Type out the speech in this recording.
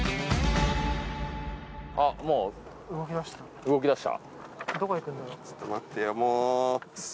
あっもう動き出した。